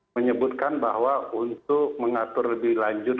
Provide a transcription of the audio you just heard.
menyebutkan bahwa untuk mengatur lebih lanjut